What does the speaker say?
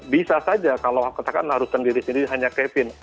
bisa saja kalau katakan harus sendiri sendiri hanya kevin